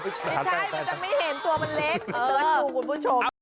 ไม่ใช่มันจะไม่เห็นตัวมันเล็ก